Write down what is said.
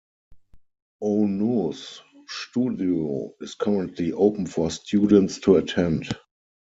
Ohno's studio is currently open for students to attend.